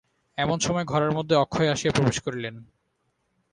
এমন সময় ঘরের মধ্যে অক্ষয় আসিয়া প্রবেশ করিলেন।